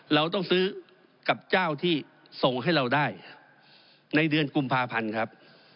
เราต้องซื้อกับเจ้าที่ส่งให้เราได้ในเดือนกุมภาพันธ์ครับ